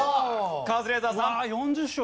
カズレーザーさん。